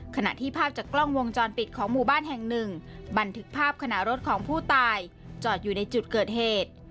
ขณะที่ภาพจากกล้องวงจรปิดของหมู่บ้านแห่งหนึ่งบันทึกภาพขณะรถของผู้ตายจอดอยู่ในจุดเกิดเหตุ